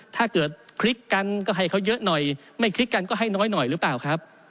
ถ้าเกิดคลิกกันก็ให้เขาเยอะหน่อยไม่คลิกกันก็ให้น้อยหน่อยหรือเปล่าครับ